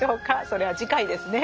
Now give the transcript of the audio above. それは次回ですね。